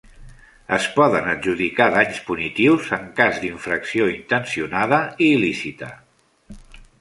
Es poden adjudicar danys punitius en cas d'infracció intencionada i il·lícita.